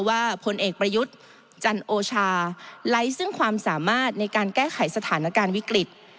พลเอกประยุทธ์จันโอชาไร้ซึ่งความสามารถในการแก้ไขสถานการณ์วิกฤต